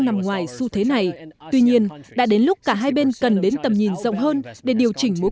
nằm ngoài xu thế này tuy nhiên đã đến lúc cả hai bên cần đến tầm nhìn rộng hơn để điều chỉnh mối